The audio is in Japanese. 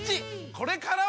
これからは！